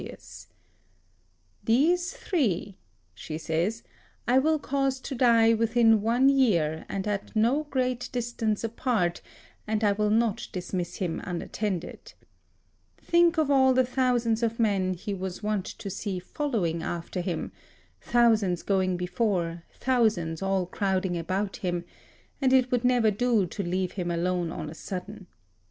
[Footnote: "Augurinus" unknown. Baba: see Sep. Ep. 159, a fool.] "These three," she says, "I will cause to die within one year and at no great distance apart, and I will not dismiss him unattended. Think of all the thousands of men he was wont to see following after him, thousands going before, thousands all crowding about him, and it would never do to leave him alone on a sudden.